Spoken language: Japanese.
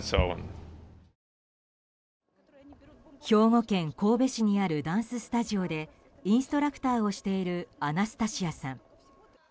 兵庫県神戸市にあるダンススタジオでインストラクターをしているアナスタシアさん。